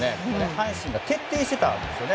阪神が徹底していたんですよね。